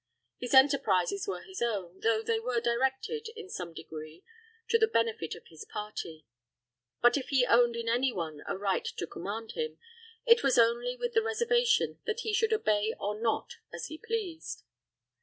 His enterprises were his own, though they were directed, in some degree, to the benefit of his party; but if he owned in any one a right to command him, it was only with the reservation that he should obey or not as he pleased.